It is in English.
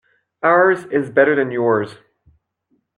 Ours is better than yours.